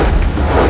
kau tidak tahu